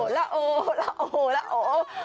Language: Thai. ละโอละโอ